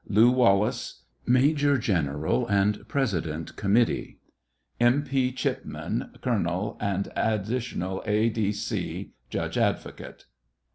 LEW. WALLACE, Major General and President Com. N. P. Chipman, Col. and Add. A. D. C, Judge Advocate.